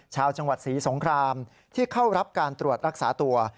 ชาวจังหวัดศรีสงครามที่เข้ารับการตรวจรักษาตัว